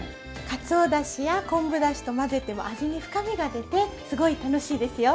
かつおだしや昆布だしと混ぜても味に深みが出てすごい楽しいですよ。